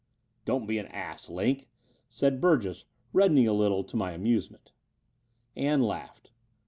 "Don't be an ass. Line," said Bttrgess, reddening a little, to my amusement. Ann laughed.